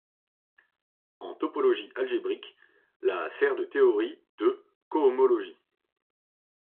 En topologie algébrique, la sert de théorie de cohomologie.